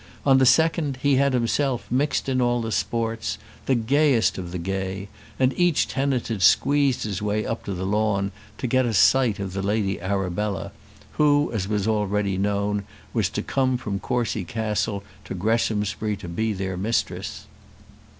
On the second, he had himself mixed in all the sports, the gayest of the gay, and each tenant had squeezed his way up to the lawn to get a sight of the Lady Arabella, who, as was already known, was to come from Courcy Castle to Greshamsbury to be their mistress.